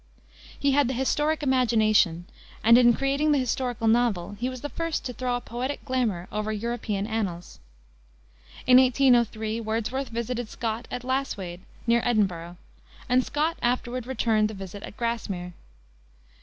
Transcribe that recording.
He had the historic imagination, and, in creating the historical novel, he was the first to throw a poetic glamour over European annals. In 1803 Wordsworth visited Scott at Lasswade, near Edinburgh; and Scott afterward returned the visit at Grasmere.